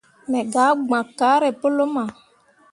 Me gah gbakke kaare pu luma.